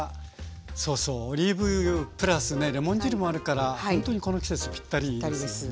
そうそうオリーブ油プラスねレモン汁もあるからほんとにこの季節ぴったりですよね。